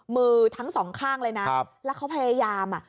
มือทั้งสองข้างเลยนะแล้วเขาพยายามอ่ะ